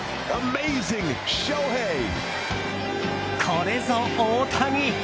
これぞ、大谷。